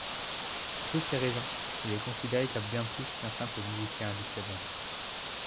Pour toutes ces raisons, il est considéré comme bien plus qu'un simple musicien additionnel.